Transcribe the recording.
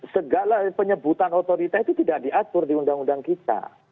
segala penyebutan otorita itu tidak diatur di undang undang kita